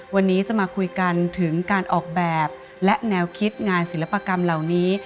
วันนี้จะมาคุยกันถึงการออกแบบและแนวคิดงานศิลปกรรมเหล่านี้